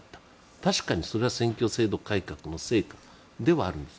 確かにそれは選挙制度改革のせいではあるんです。